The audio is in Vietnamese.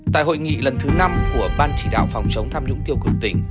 tại hội nghị lần thứ năm của ban chỉ đạo phòng chống tham nhũng tiêu cực tỉnh